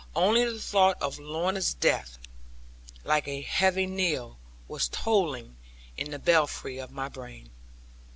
Only the thought of Lorna's death, like a heavy knell, was tolling in the belfry of my brain.